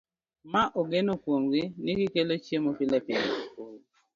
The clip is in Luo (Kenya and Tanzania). Ma ogeno kuomgi ni gikelo chiemo pilepile